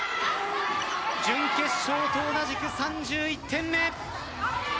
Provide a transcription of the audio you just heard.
準決勝と同じく３１点目。